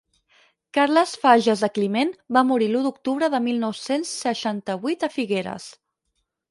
Carles Fages de Climent va morir l'u d'octubre de mil nou-cents seixanta-vuit a Figueres.